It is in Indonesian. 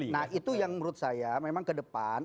nah itu yang menurut saya memang ke depan